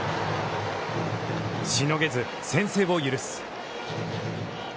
しのげず、先制を許す。